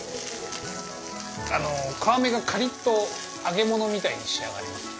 あの皮目がカリっと揚げ物みたいに仕上がります。